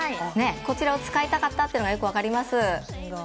こちらを使いたかったのが良く分かります。